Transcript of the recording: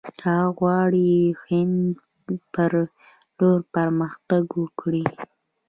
هغه غواړي د هند پر لور پرمختګ وکړي.